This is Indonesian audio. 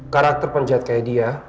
karakter penjahat kayak dia